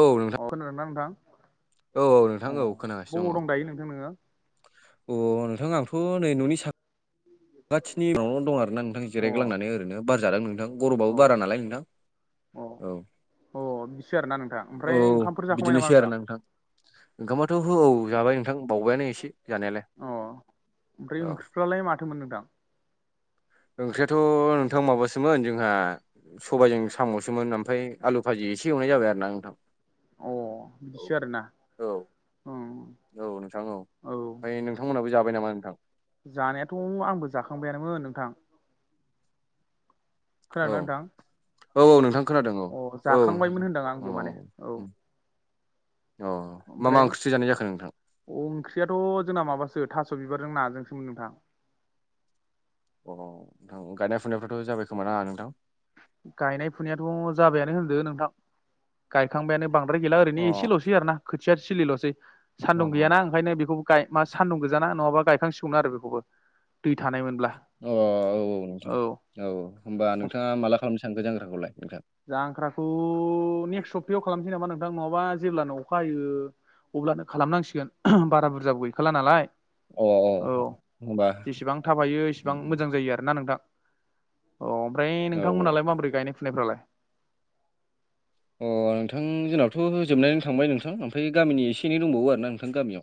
औ नोंथां औ खोनादों ना नोंथां औ औ नोंथां अ औ खोनागासिनो बबाव दं दायो नोंथां नोङो औ औ नोंथां आंथ' नै न'नि सा खाथिनि न'वावनो दं आरो ना नोंथां अ जिरायग्लांनानै ओरै बार जादों नोंथां गरमाबो अ बारा नालाय अ नोंथां औ अ बिसो आरोना नोंथां औ ओमफ्राय ओंखामफोर जाखांबाय नामा बिदिनोसै आरो ना नोंथां ओंखामाथ' हो औ जाबाय नोंथां बावबायानो एसे जानायालाय अ ओमफ्राय औ ओंख्रिफ्रालाय माथो मोन नोंथां ओंख्रियाथ' नोंथां माबासोमोन जोंहा सबाइजों साम'सोमोन ओमफ्राय आलु भाजि एसे एवनाय जाबाय आरो ना नोंथां अ औ बिदिसो आरोना औ नोंथां औ ओमफ्राय नों नोंथांमोनाबो जाबाय नामा नोंथां जानायाथ' आंबो जाखांबानोमोन नोंथां औ खोनादों ना नोंथां औ औ नोंथां खोनादों औ अ औ जाखांबायमोन नोंथां होनदों आंबो माने औ अ मा मा ओमफ्राय ओंख्रिथो जानाय जाखो नोंथां ओंख्रियाथ' जोंना माबासो थास' बिबारजों नाजोंसोमोन नोंथां अ नोंथां गायनाय फुनायफ्रावथ' जाबाय खोमा ना नोंथां गायनाय फुनायाथ' जाबायानो होनदो नोंथां गायखांबायानो बांद्राय गैला अ ओरैनो एसेल'सै आरो ना खोथिया थिलिल'सै अ सान्दुं गैयाना ओंखायनो बेखौ गाय मा सान्दुं गोजाना नङाबा गायखांसिगौमोन आरो बेखौबो दै थानायमोनब्ला अ औ औ नोंथां औ होमबा नोंथाङा माला खालामनो सानखो जांग्राखौलाय नोंथां जांख्राखौ नेक्स्ट सप्तायाव खालामसै नामा नोंथां नङाबा जेब्लानो अखा हायो अब्लानो खालामनांसिगोन बारा बुरजाबो गैखाला नालाय अ औ अ होमबा जेसेबां थाब हायो एसेबां मोजां औ जायो आरो ना नोंथां अ ओमफ्राय नोंथांमोनालाय माबोरै गायनाय फुनायफ्रालाय अ नोंथां जोंनाबोथ' जोबनानै थांबाय नोंथां ओमफाय गामिनि एसे एनै दंबावो आरोना नोंथां गामियाव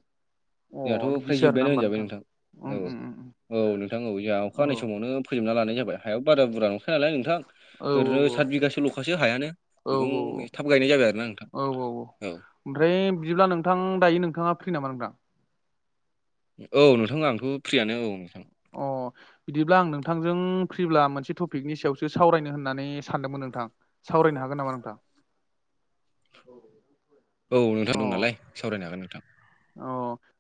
अ जोंहाथ' फ्राय बिदिसो आरो ना जोब्बायानो होमबा होनजाबाय नोंथां उम औ उम उम औ नोंथां औ जोंहा अखा औ हानाय समावनो फोजोबना लानाय जाबाय हायाबो बारा बुरजा नंखाय नालाय नोंथां औ औ ओरैनो सात बिगासो ल'खासो हायानो औ बेखौ औ थाब गायनाय जाबाय आरोना नोंथां औ औ औ ओमफ्राय बिदिब्ला नोंथां दायो नोंथाङा फ्रि नामा नोंथां औ नोंथां आंथ' फ्रियानो औ नोंथां अ बिदिब्ला आं नोंथांजों फ्रिब्ला मोनसे ट पिकनि सायावसो सावरायनो होननानै सानदोंमोन नोंथां सावरायनो हागोन नामा नोंथां औ [unintelligible] औ नोंथां दं नालाय सावरायनो हागोन नोंथां अ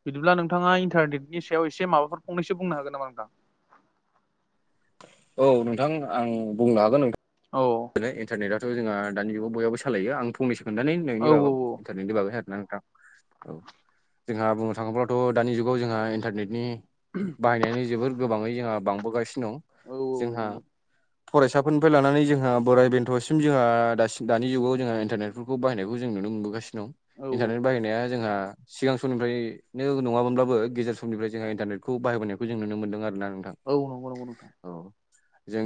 बिदिब्ला नोंथाङा इन्टारनेटनि सायाव एसे माबाफोर फंनैसो बुंनो हागोन नामा नोंथां औ नोंथां आं बुंनो हागोन नोंथां औ इन्टारनेटआथ' जों दानि जुगाव बयहाबो सालायो आं फंनैसो खोनथानै होनि औ बिनि बागाव बिनि बागै आरो ना नोंथां औ जोंहा बुंनो थाङोब्लाथ' दानि जुगाव जोंहा इन्टारनेटनि बाहायनायानो जोबोर गोबाङै जोंहा बांबोगासि नो औ दं औ जोंहा नंगौ फरायसाफोरनिफ्राय लानानै जोंहा बोराय बेन्थ'सिम जोंहा दासिम दानि जुगाव जोंहा इन्टारनेटफोरखौ बाहायनायखौ जों नुनो मोनबोगासिनो दं औ इन्टारनेट बाहायनाया जोंहा सिगां समनिफ्रायनो नङामोनब्लाबो गेजेर समनिफ्राय जोंहा इन्टारनेटखौ बाहायबोनायखौ जों नुनो मोनदों आरो ना नोंथां औ नंगौ नंगौ नोंथां औ जों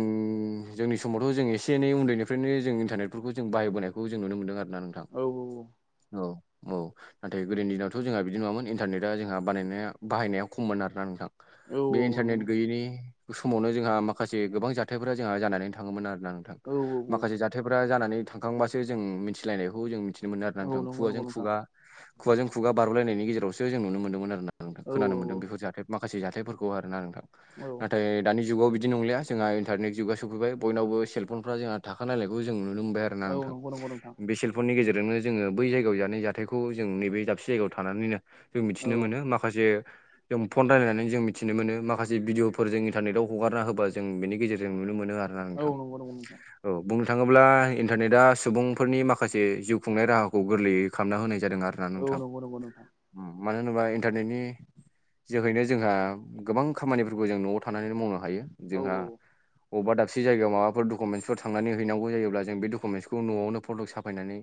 जोंनि समावथ' जों एसे एनै उन्दैनिफ्रायनो जों इन्टारनेटफोरखौ जों बायनायखौ जों नुनो मोनदों आरो ना नोंथां औ औ औ औ नाथाय गोदोनि दिनावथ' जोंहा बिदि नङामोन इन्टारनेटआ जोंहा बानायनाया बाहायनाया खममोन आरो ना नोंथां औ बे नंगौ इन्टारनेट गैयिनि समावनो जोंहा माखासे गोबां जाथायफोरा जोंहा जानानै थाङोमोन आरोना नोंथां औ माखासे जाथायफोरा जानानै थांखांबासो जों मिथिलायनायखौ जों मिथिनो मोनो आरो ना औ औ नोंथां नंगौ खुगाजों नंगौ नोंथां खुगा खुगाजों खुगा बारलायनायनि गेजेरावसो जों नुनो मोनदोंमोन आरोना औ खोनानो मोन्दों बेफोर जाथाय माखासे जाथायफोरखौ आरोना नोंथां नाथाय दानि जुगाव बिदि नंलिया जोंहा इन्टारनेट जुगा सौफैबाय बयनावबो सेलफनफ्रा जोंहा थाखानायनायखौ नुनो मोनबाय आरो ना औ औ नोंथां नंगौ नंगौ नोंथां बेसेल फननि गेजेरनो जोङो बै जायगायाव जानाय जाथायखौ जों नैबे दाबसे जायगायाव थानानैनो जों औ मिथिनो मोनो माखासे जों फन रायलायनानै जों मिथिनो मोनो माखासे जि भिडियफोर जों इन्टारनेटआव हगारना होबा जों बेनि गेजेरजों नुनो मोनो आरोना औ नोंथां नंगौ नंगौ नोंथां औ बुंनो थांङोब्ला इन्टारनेटआ सुबुंफोरनि माखासे जिउ खुंनाय राहा खौ गोरलैयै खालामना होनाय जादों आरो ना औ नोंथां नंगौ नंगौ नोंथां मानो होनोबा इन्टारनेटनि जोहैनो जोंहा गोबां खामानिफोरखौ जों न'आव थानानै मावनो हायो औ जोंहा अबबा दाबसे जायगायाव माबाफोर दुख डकुमेन्सफोर थांनानै हैनांगौ जायोब्ला जों बे डकुमेन्टसखौ न'आवनो फट' साफायनानै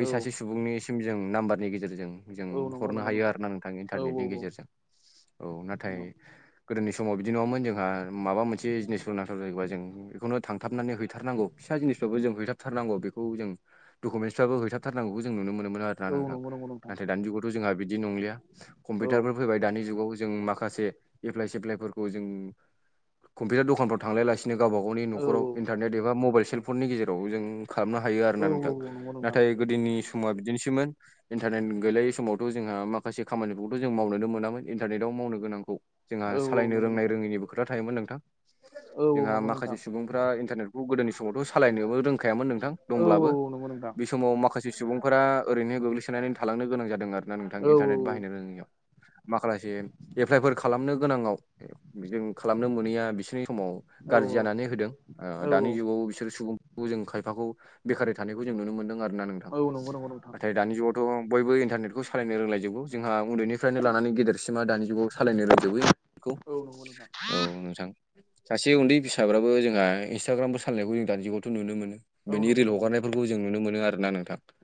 बै औ सासे सुबुंनि सिम जों नाम्बारनि गेजेरजों जों औ नंगौ हरनो नंगौ हायो आरो ना नोंथां औ औ इन्टारनेटनि औ गेजेरजों औ नाथाय गोदोनि समाव बिदि नङामोन जोंहा माबा मोनसे जिनिसखौ नाथार जायोबा जों बेखौनो थां थांनानै हैथारनांगौ फिसा जिनिसफ्राबो जों हैथाबथारनांगौ बेखौ जों डकुमेन्सफ्राबो हैथाबथारनांगौखौ जों नुनो मोनोन आरोना औ नोंथां नंगौ नंगौ नोंथां ना दानि जुगाव जोंहा बिदि नंलिया औ कम्पिउटारफोर फैबाय दानि जुगाव जों माखासे एफ्लाइ सेफ्लायफोरखौ जों कम्पिउटार दखानफ्राव थांलायलासिनो गब गाव औ नखराव इन्टारनेट एबा मबाइल सेलफननि गेजेराव जों खालामनो हायो आरोना औ नोंथां औ नंगौ नोंथां नाथाय गोदोनि समा बिदिनोसोममोन इन्टारनेट गैलायै समावथ' जोंहा माखा माखासे खामानिफोरखौ जों मावनोनो मोनामोन इन्टारनेटआव मावनो गोनांखौ जोंहा औ औ सालायनो नंगौ रोंनाय नोंथां रोङैनिबो खोथा थायोमोन नोंथां औ औ जोंहा नंगौ माखासे नोंथां सुबुंफ्रा गोदोनि समाव सालायनो रोंखायामोन नोंथां औ दंब्लाबो औ नंगौ नोंथां औ समाव माखासे सुबुंफोरा ओरैनो गोग्लैसोनानै थालांनो गोनां जादों आरोना नोंथां औ इन्टारनेट बाहायनो रोङियाव माखासे एप्लाइफोर खालामनो गोनाङाव जों खालामनो मोनैया बिसोरनि समाव औ गाज्रि जानानै होदों औ दानि जुगाव बिसोरो सुबुं जों खायफाखौ बेखारै थानायखौ जों नुनो मोन्दों आरोना नोंथां औ नंगौ नंगौ नोंथां नाथाय दानि जुगाव थ' बयबो इन्टारनेटखौ सालायनो रोंलायजोबगौ जोंहा उन्दैनिफ्रायनो लानानै गेदेरसिमा दानि जुगाव सालायनो रोंजोबोखौ औ नंगौ नोंथां औ नोंथां सासे उन्दै फिसाफ्राबो जोंहा इन्सटाग्रामफोर सालनायखौ जों दानिजुगावथ' नुनो मोनो औ बेनि नंगौ रिल नंगौ नोंथां हगारनायफोरखौ जों नुनो मोनो आरोना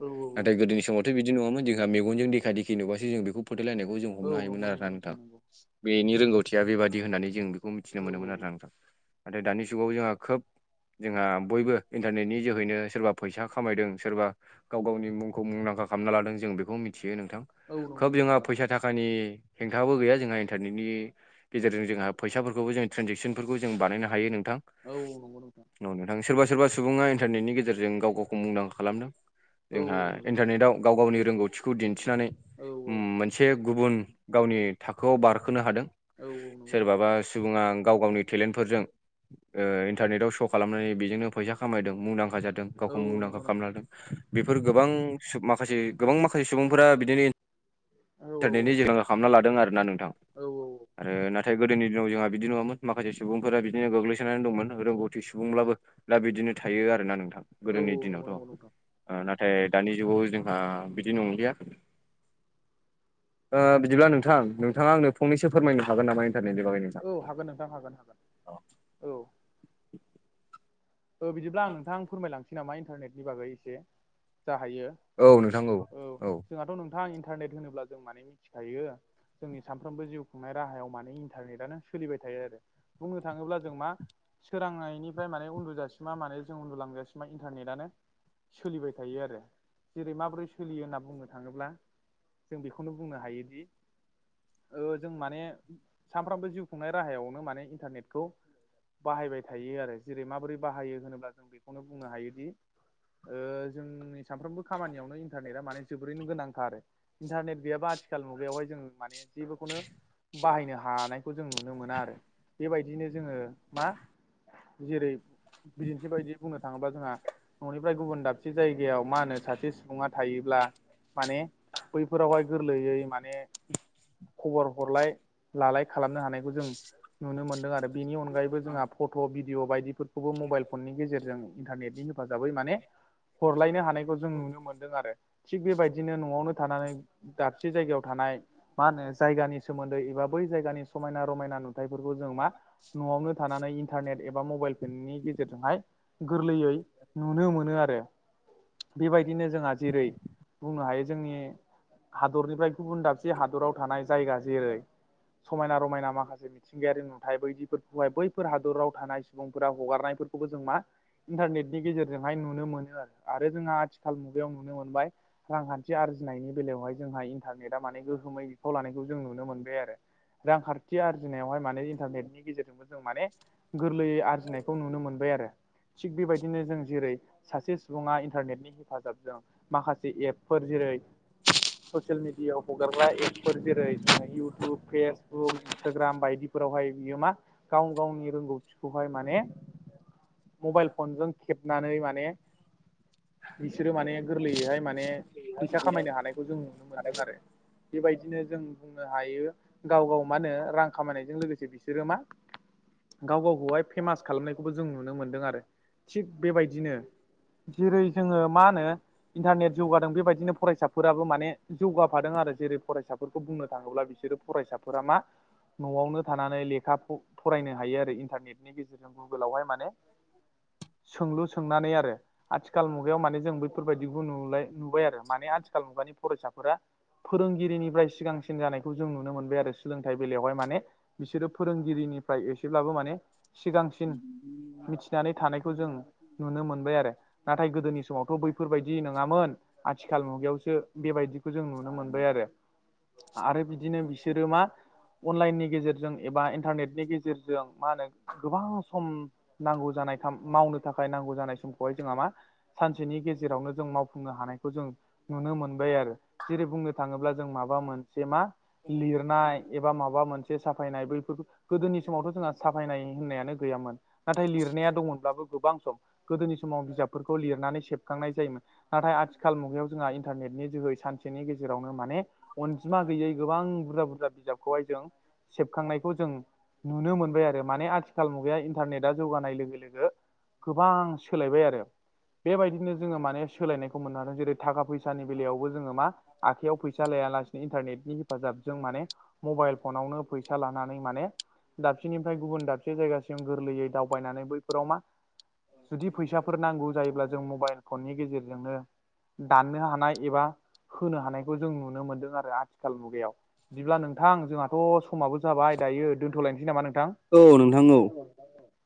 औ गोदोनि समावथ' बिदि नङामोन जोंहा मेगनजों देखा देखि नुबासो जों बेखौ फोथालायनायखौ जों हमनो औ हायोमोन नंगौ नंगौ आरोना नोंथां नंगौ बेनि रोंगौथिया बेबादि होननानै जों बे मिथिनो औ मोनोमोन आरो आंथ' नाथाय दानि जुगाव जोंहा खोब जोंहा बयबो इन्टारनेटनि जोहैनो सोरबा फैसा खामायदों सोरबा गाव गावनि मुंखौ मुंदांखा खालामना लादों जों बेखौ मिथियो नोंथां औ नंगौ खोब नंगौ जोंहा नोंथां फैसा थाखानि हेंथाबो गैया जोंहा इन्टारनेटनि गेजेरजों जोंहा फैसाफोरखौबो जों ट्रेनजेकसनफोरखौ जों बानायनो हायो नोंथां औ औ नंगौ नोंथां औ नोंथां सोरबा सोरबा सुबुङा इन्टारनेटनि गेजेरजों गाव गावखौ मुंदांखा खालामदों औ जोंहा औ नंगौ नोंथां इन्टारनेटआव गाव गावनि रोंगौथिखौ दिन्थिनानै औ औ मोन से गुबुन गावनि थाखोआव बारखोनो हादों औ औ नंगौ सोरबाबा सुबुङा गाव गावनि टेलेन्टफोरजों ओ इन्टारनेटाव श' खालामनानै बेजोंनो फैसा खामायदों मुंदांखा जादों औ गावखौ मुंदांखा नंगौ नोंथां खामनो हादों। बेफोर गोबां सु माखासे गोबां माखासे सुबुंफोरा बिदिनो औ औ औ इन्टारनेटनि जायगा खामना लादों आरोना नोंथां। औ आरो नाथाय गोदोनि दिनाव जोंहा बिदि नङामोन माखासे सुबुंफोरा बिदिनो गोग्लै सोनानै दंमोन रोंगौथि सुबुंब्लाबो दा बिदिनो थायो आरोना नों थां गोदोनि नंगौ दिनावथ' नंगौ नोंथां ओ नाथाय दानि जुगाव जोंहा बिदि नंलिया ओ बिदिब्ला नोंथां नोंथाङा आंनो फंनैसो फोरमायनो हागोन नामा इन्टारनेटनि बागै नोंथां ओ नोंथां हागोन हागोन औ [inaudible] ओ बिदिब्ला आं नोंथां आ फोरमायलांनोसै नामा इन्टारनेटनि बागै एसे जा हायो औ औ जोंहाथ' नोंथां इन्टारनेट होनोब्ला जों माने मिथिखायो जोंनि सानफ्रोमबो जिउ खुंनाय राहायाव माने इन्टारनेटानो सोलिबाय थायो आरो। बुंनो थाङोब्ला जों मा सोरांनायनिफ्राय माने उन्दु जा सिमा माने जों उन्दुलांजासिमा इन्टारनेटानो सोलिबाय थायो आरो जेरै माबोरै सोलियो होनना बुंनो थाङोब्ला जों बेखौनो बुंनो हायोदि ओ जों माने सानफ्रामबो जिउ खुंनाय राहायावनो माने इन्टारनेटखौ बाहायबाय थायो आरो जेरै माबोरै बाहायो होनोब्ला जों बेखौनो बुंनो हायोदि ओ जोंनि सानफ्रोमबो खामानियावनो इन्टारनेटआ माने जोबोरैनो गोनांथार आरो इन्टारनेट गैयाबा आथिखाल मुगायावहाय जों माने जेबोखौनो बाहायनो हानायखौ जों नुनो मोना आरो बेबायदिनो जोङो मा जेरै बिदिन्थि बायदि बुंनो थाङोब्ला जोंहा न'निफ्राय गुबुन दाबसे जायगायाव मा होनो सासे सुबुङा थायोब्ला माने बैफोरावहाय गोरलैयै माने खबर हरलाय लालाय खालामनो हानायखौ जों नुनो मोनदों आरो। बेनि अनगायैबो जोंहा फट' भिडिअ बायदिफोरखौबो मबाइल फननि गेजेरजों इन्टारनेटनि हेफाजाबै माने हरलायनो हानायखौ जों नुनो मोनदों आरो थिग बेबायदिनो न'वावनो थानानै दाबसे जायगायाव थानाय मा होनो जायगानि सोमोन्दै एबा बै जायगानि समायना रमायना नुथायफोरखौ जों मा न'वावनो थानानै इन्टारनेट एबा मबाइल फननि गेजेरजोंहाय गोरलैयै नुनो मोनो आरो। बेबायदिनो जोंहा जेरै बुंनो हायो जोंनि हादरनिफ्राय गुबुन दाबसे हादराव थानाय जायगा जेरै समायना रमायना माखासे मिथिंगायारि नुथाय बैदिफोरखौहाय बैफोर हादराव थानाय सुबुं फोरा हगारनायफोरखौबो जों मा इन्टारनेटनि गेजेरजोंहाय नुनो मोनो आरो आरो जोंहा आथिखाल मुगायाव नुनो मोनबाय रांखान्थि आरजिनायनि बेलायावहाय जोंहा इन्टारनेटआ माने गोहोमै बिफाव लानायखौ जों नुनो मोनबाय आरो। रांखारथि आरजिनायावहाय माने इन्टारनेटनि गेजेरजोंबो जों माने गोरलैयै आर जिनायखौ नुनो मोनबाय आरो थिग बेबायदिनो जों जेरै सासे सुबुङा इन्टारनेटनि हेफाजाबजों माखासे एपफोर जेरै ससियेल मिडियाव हगारग्रा एपफोर जेरै जोङो इउटुब पेस बुक इन्सटाग्राम बायदिफोरावहाय बियो मा गाव गावनि रोंगौथिखौहाय मा ने मबाइल फनजों खेबनानै माने बिसोरो माने गोरलैयैहाय माने फैसा खामायनो हानायखौ जों नुनो मोनदों आरो बेबायदिनो जों बुंनो हायो गाव गाव मा होनो रां खामायनायजों लोगोसे बिसोरो मा गाव गावखौहाय फेमास खालामनायखौबो जों नुनो मोनदों आरो थिग बेबायदिनो जेरै जोङो मा होनो इन्टारनेट जौगादों बेबायदिनो फरायसाफोराबो माने जौगाफादों आरो जेरै फरायसाफोरखौ बुंनो थाङोब्ला बिसोरो फरायसाफोरा मा न'आवनो थानानै लेखा फरायनो हायो आरो इन्टारनेट बेनि गेजेरजों गुगोलावहाय माने सोंलु सोंनानै आरो आथिखाल मुगायाव माने जों बैफोर बायदिखौ नुनाय नुबाय आरो माने आथिखाल मुगानि फरायसाफोरा फोरोंगिरिनिफ्राय सिगांसिन जानायखौ जों नुनो मोनबाय आरो सोलोंथाइ बेलायावहाय माने बिसोरो फोरोंगिरिनिफ्राय एसेब्लाबो माने सिगांसिन मिथिनानै थानायखौ जों नुनो मोनबाय आरो नाथाय गोदोनि समावथ' बैफोरबायदि नङामोन आथिखाल मुगायावसो बेबायदि खौ जों नुनो मोनबाय आरो आरो बिदिनो बिसोरो मा अनलाइननि गेजेरजों एबा इन्टारनेटनि गेजेरजों मा होनो गोबां सम नांगौ जानाय मावनो थाखाय नांगौ जानाय समखौहाय जोंहा मा सानसेनि गेजेरावनो जों मावफुंनो हानायखौ जों नुनो मोनबाय आरो जेरै बुंनो थाङोब्ला जों माबा मोनसे मा लिरनाय एबा माबा मोनसे साफायनाय बैफोरफोरखौ गोदोनि समावथ' जोंहा साफायनाय होननायानो गैयामोन नाथाय लिरनाया दंमोनब्लाबो गोबां सम गोदोनि समाव बिजाबफोरखौ लिरनानै सेब खांनाय जायोमोन नाथाय आथिखाल मुगायाव जोंहा इन्टारनेटनि जोहै सानसेनि गेजेरावनो माने अनजिमा गैयै गोबां बुरजा बुरजा बिजाबखौहाय जों सेबखांनायखौ जों नुनो मोनबाय आरो माने आथि खाल मुगाया इन्टारनेटा जौगानाय लोगो लोगो गोबां सोलायबाय आरो बेबायदिनो जोङो माने सोलायनायखौ मोननो हादों जेरै थाखा फैसा फैसानि बेलायावबो जोङो मा आखाइयाव फैसा लायालासिनो इन्टारनेनि हेफाजाबजों माने मबाइल फनावनो फैसा लानानै माने दाबसेनिफ्राय गुबुन दाबसे जायगासिम गोरलैयै दावबायनानै बैफोराव मा जुदि फैसाफोर नांगौ जायोब्ला जों मबाइल फननि गेजेरजोंनो दाननो हानाय एबा होनो हानायखौ जों नुनो मोनदों आरो आथिखाल मुगायाव बिदिब्ला नोंथां जोंहाथ' समाबो जाबाय दायो दोनथ'लायनोसै नामा नोंथां औ नोंथां औ [unintelligible]